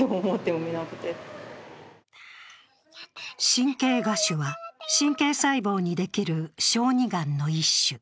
神経芽腫は神経細胞にできる小児がんの一種。